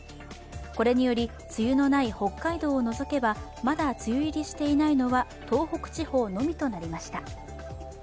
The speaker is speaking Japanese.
これにより、梅雨のない北海道を除けばまだ梅雨入りしていないのは東北地方のみとなりました。